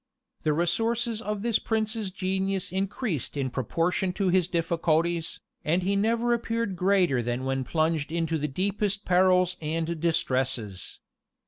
The resources of this prince's genius increased in proportion to his difficulties, and he never appeared greater than when plunged into the deepest perils and distresses.